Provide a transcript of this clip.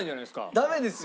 ダメですよ。